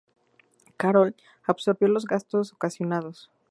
Carroll absorbió los gastos ocasionados.